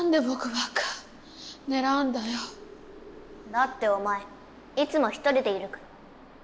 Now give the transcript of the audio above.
だっておまえいつも一人でいるから。